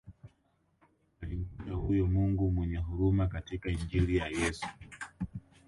Alimkuta huyo Mungu mwenye huruma katika Injili ya Yesu